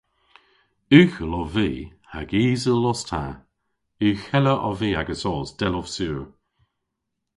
Ughel ov vy hag isel os ta. Ughella ov vy agesos, dell ov sur.